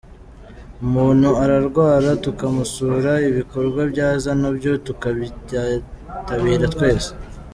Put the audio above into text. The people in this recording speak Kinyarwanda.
Umuntu ararwara tukamusura, ibikorwa byaza na byo tukabyitabira twese.